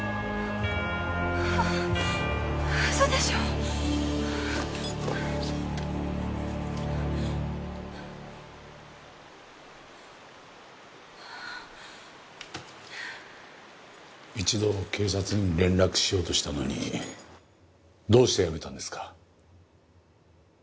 ウソでしょ一度警察に連絡しようとしたのにどうしてやめたんですか？